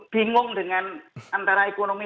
bingung dengan antara ekonomi